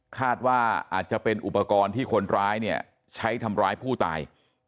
คาดว่าอาจจะเป็นอุปกรณ์ที่คนร้ายเนี่ยใช้ทำร้ายผู้ตาย